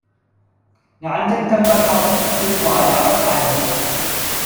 眼睛睜不開，說話也不太好